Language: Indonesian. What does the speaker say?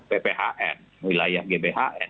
pphn wilayah gbhn